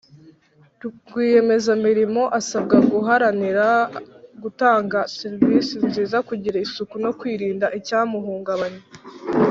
Rwiyemezamirimo asabwa guharanira gutanga serivisi nziza kugira isuku no kwirinda icyamuhungabanya